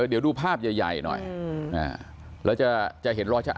เดี๋ยวดูภาพใหญ่หน่อย